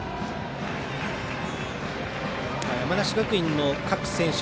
山梨学院の各選手